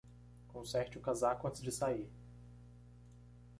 Conserte o casaco antes de sair.